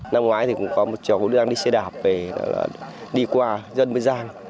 năm ngoái thì cũng có một chồng cũng đang đi xe đạp về đi qua dân bôi giang